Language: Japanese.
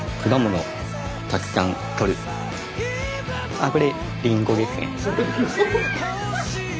あっこれリンゴですね。